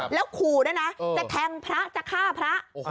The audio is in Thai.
แล้วขู่ด้วยนะจะแทงพระจะฆ่าพระ